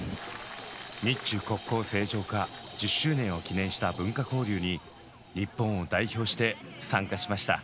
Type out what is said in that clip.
日中国交正常化１０周年を記念した文化交流に日本を代表して参加しました。